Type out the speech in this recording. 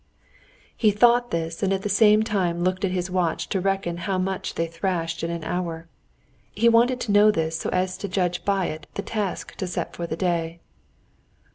He thought this, and at the same time looked at his watch to reckon how much they thrashed in an hour. He wanted to know this so as to judge by it the task to set for the day.